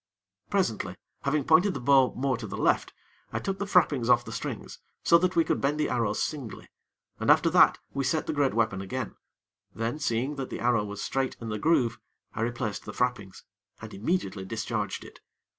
Presently, having pointed the bow more to the left, I took the frappings off the strings, so that we could bend the bows singly, and after that we set the great weapon again. Then, seeing that the arrow was straight in the groove, I replaced the frappings, and immediately discharged it.